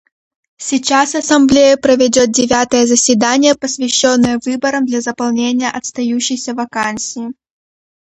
Сейчас Ассамблея проведет девятое заседание, посвященное выборам для заполнения остающейся вакансии.